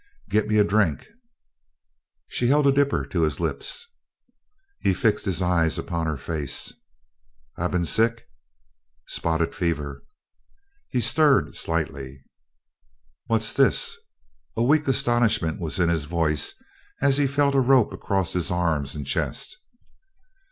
"Git me a drink." She held a dipper to his lips. He fixed his eyes upon her face. "I been sick?" "Spotted fever." He stirred slightly. "What's this?" A weak astonishment was in his voice as he felt a rope across his arms and chest.